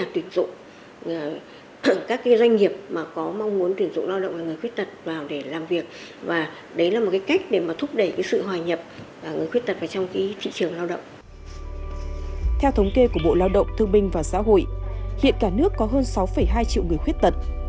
theo thống kê của bộ lao động thương binh và xã hội hiện cả nước có hơn sáu hai triệu người khuyết tật